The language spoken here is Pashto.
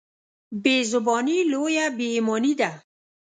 بېزباني لويه بېايماني ده.